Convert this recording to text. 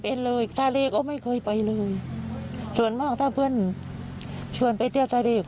เพลงไปไม่ได้ถ้าคุ้มฆ่าผู้ตายก็เยอะเยอะเลย